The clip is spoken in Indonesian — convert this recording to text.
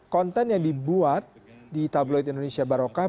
konten yang dibuat di tabloid indonesia barokah